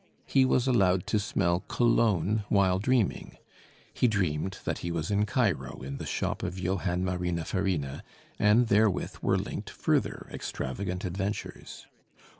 He was allowed to smell cologne while dreaming. He dreamed that he was in Cairo in the shop of Johann Marina Farina, and therewith were linked further extravagant adventures.